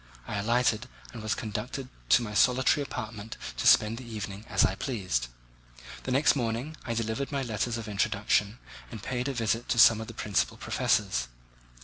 I alighted and was conducted to my solitary apartment to spend the evening as I pleased. The next morning I delivered my letters of introduction and paid a visit to some of the principal professors.